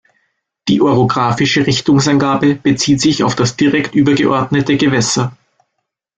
Die orografische Richtungsangabe bezieht sich auf das direkt übergeordnete Gewässer.